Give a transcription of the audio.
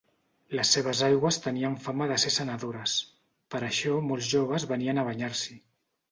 Les seves aigües tenien fama de ser sanadores, per això molts joves venien a banyar-s'hi.